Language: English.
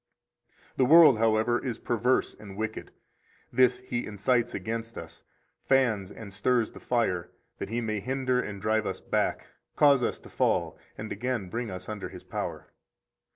The world, however, is perverse and wicked; this he incites against us, fans and stirs the fire, that he may hinder and drive us back, cause us to fall, and again bring us under his power.